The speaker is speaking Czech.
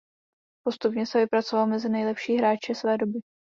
Postupně se vypracoval mezi nejlepší hráče své doby.